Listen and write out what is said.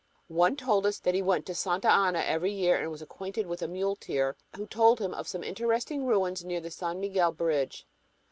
One told us that he went to Santa Ana every year and was acquainted with a muleteer who had told him of some interesting ruins near the San Miguel bridge.